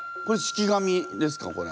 これ式神ですか？